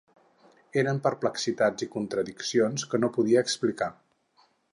Eren perplexitats i contradiccions que no podia explicar.